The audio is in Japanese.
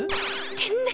天然！